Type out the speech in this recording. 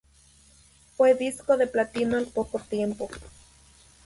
Fue disco de platino al poco tiempo.